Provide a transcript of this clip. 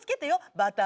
バター！